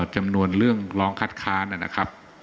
จำนวนเรื่องร้องคัดค้านนะครับ